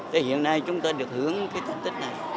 thì hiện nay chúng ta được hưởng cái thánh tích này